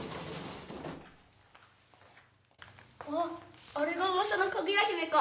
「あっあれがうわさのかぐや姫か」。